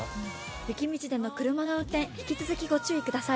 雪道での車の運転、引き続きご注意ください。